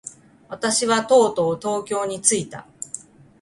私はとうとう東京に着いた。